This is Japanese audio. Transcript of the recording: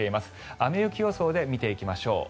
雨・雪予想で見ていきましょう。